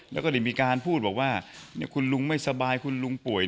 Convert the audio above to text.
แล้วก็ได้มีการพูดบอกว่าคุณลุงไม่สบายคุณลุงป่วย